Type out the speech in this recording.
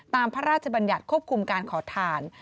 พระราชบัญญัติควบคุมการขอทาน